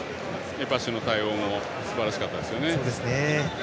エパシの対応もすばらしかったですね。